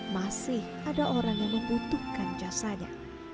masih ada orang yang membutuhkan jasanya